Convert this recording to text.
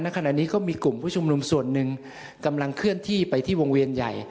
ขณะนี้ก็มีกลุ่มผู้ชุมนุมส่วนหนึ่งกำลังเคลื่อนที่ไปที่วงเวียนใหญ่